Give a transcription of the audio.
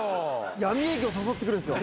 闇営業誘ってくるんですよ。